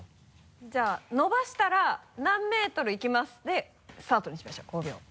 じゃあ伸ばしたら「何ｍいきます」でスタートにしましょう５秒。